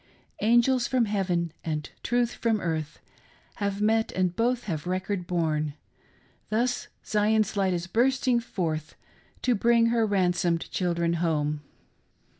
Angels from heaven and truth from earth Have met, and both have record borne ; Thus Zion's light is bursting forth To bring her ransomed children home.